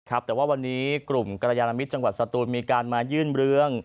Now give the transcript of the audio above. แต่ว่าวันนี้กลุ่มกรยานมิตรจังหวัดสตูนมีการมายื่นเรื่อง